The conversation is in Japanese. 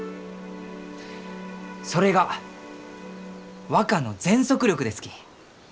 それが若の全速力ですき。